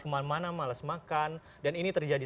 kemana mana males makan dan ini terjadi